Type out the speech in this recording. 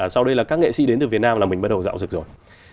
sau đây là các nghệ sĩ đến từ việt nam là mình bắt đầu dạo rực rồi